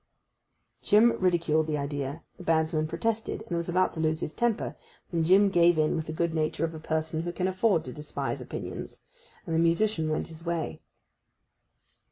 Jim ridiculed the idea; the bandsman protested, and was about to lose his temper, when Jim gave in with the good nature of a person who can afford to despise opinions; and the musician went his way.